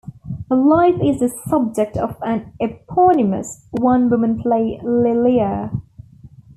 Her life is the subject of an eponymous one-woman play Lilia!